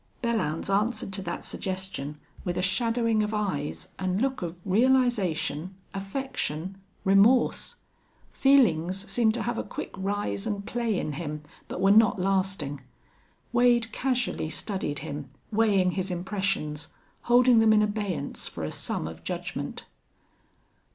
Belllounds answered to that suggestion with a shadowing of eyes and look of realization, affection, remorse. Feelings seemed to have a quick rise and play in him, but were not lasting. Wade casually studied him, weighing his impressions, holding them in abeyance for a sum of judgment.